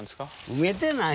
埋めてない。